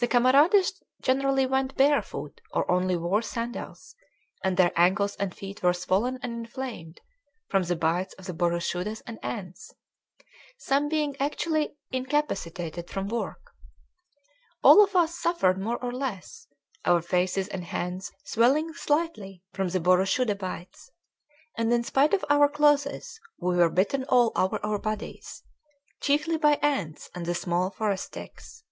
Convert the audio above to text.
The camarades generally went barefoot or only wore sandals; and their ankles and feet were swollen and inflamed from the bites of the boroshudas and ants, some being actually incapacitated from work. All of us suffered more or less, our faces and hands swelling slightly from the boroshuda bites; and in spite of our clothes we were bitten all over our bodies, chiefly by ants and the small forest ticks.